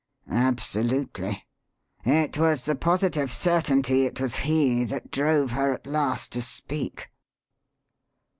"Absolutely. It was the positive certainty it was he that drove her at last to speak!"